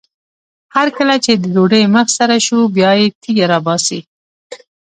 هر کله چې د ډوډۍ مخ سره شو بیا یې تیږه راباسي.